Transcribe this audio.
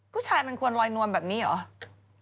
ผู้ชายมันควรลอยนวมแบบนี้เหรอ